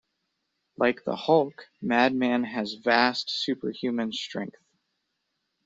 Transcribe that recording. Like the Hulk, Madman has vast superhuman strength.